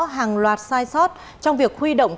hàng loạt sai sót trong việc huy động